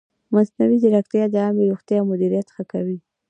مصنوعي ځیرکتیا د عامې روغتیا مدیریت ښه کوي.